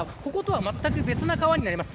まったく別の川になります。